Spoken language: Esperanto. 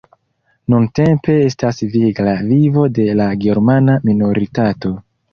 Nuntempe estas vigla vivo de la germana minoritato.